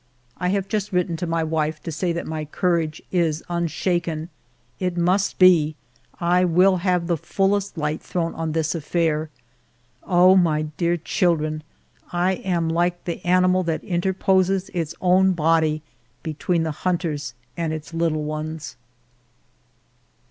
I have just writ ten to my wife to say that my courage is unshaken. 136 FIVE YEARS OF MY LIFE It must be ; I will have the fullest light thrown on this affair. Oh, my dear children ! I am like the animal that interposes its own body between the hunters and its little ones.